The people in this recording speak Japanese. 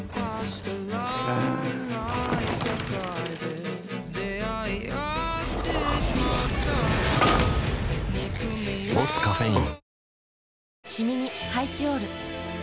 うん「ボスカフェイン」